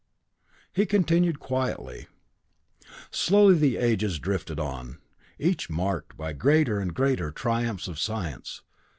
He continued quietly: "Slowly the ages drifted on, each marked by greater and greater triumphs of science.